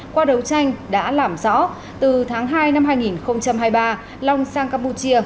qua đấu tranh đã làm rõ từ tháng hai năm hai nghìn hai mươi ba long sang campuchia